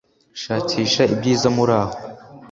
shakisha ibyiza muraho